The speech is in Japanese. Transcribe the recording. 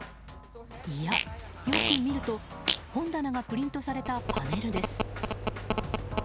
いや、よく見ると本棚がプリントされたパネルです。